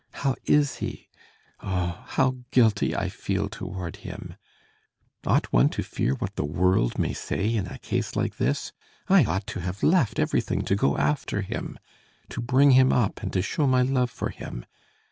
How is he? Oh, how guilty I feel toward him! Ought one to fear what the world may say in a case like this? I ought to have left everything to go after him, to bring him up and to show my love for him.